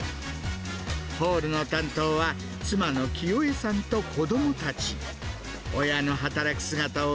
ホールの担当は妻の清江さんと子どもたち。